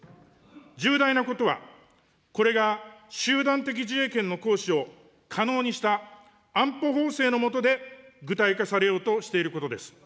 重大なことは、これが集団的自衛権の行使を可能にした安保法制の下で具体化されようとしていることです。